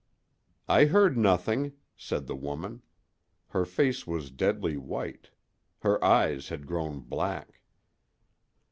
"I heard nothing," said the woman. Her face was deadly white. Her eyes had grown black.